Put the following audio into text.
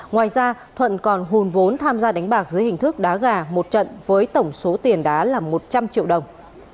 ngoài ra thuận còn hồn vốn tham gia đánh bạc dưới hình thức đá gà một trận với tổng số tiền đá là một trăm linh triệu đồng